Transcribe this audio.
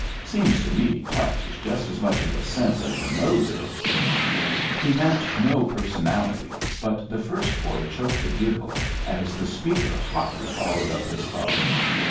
Seems to me touch is just as much of a sense as your nose is." (He meant no personality, but the first boy choked a giggle as the speaker hotly followed up his thought.)